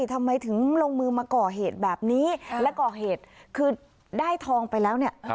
ทำไมถึงลงมือมาก่อเหตุแบบนี้และก่อเหตุคือได้ทองไปแล้วเนี่ย